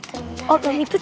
aneh tenang rek